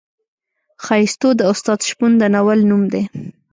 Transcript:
ښایستو د استاد شپون د ناول نوم دی.